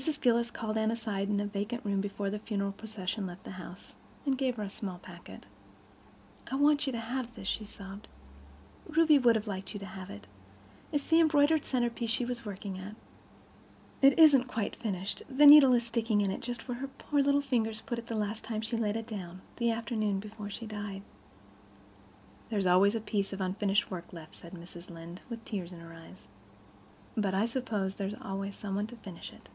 Mrs. Gillis called Anne aside into a vacant room before the funeral procession left the house, and gave her a small packet. "I want you to have this," she sobbed. "Ruby would have liked you to have it. It's the embroidered centerpiece she was working at. It isn't quite finished—the needle is sticking in it just where her poor little fingers put it the last time she laid it down, the afternoon before she died." "There's always a piece of unfinished work left," said Mrs. Lynde, with tears in her eyes. "But I suppose there's always some one to finish it."